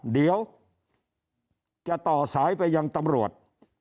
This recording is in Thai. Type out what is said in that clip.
เดี๋ยวจะต่อสายไปยังตำรวจ